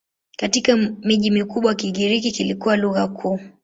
Katika miji mikubwa Kigiriki kilikuwa lugha kuu.